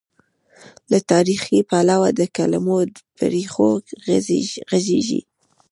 له تاریخي، پلوه د کلمو پر ریښو غږېږي.